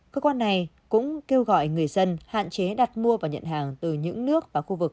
cơ quan này cũng kêu gọi người dân hạn chế đặt mua và nhận hàng từ những nước và khu vực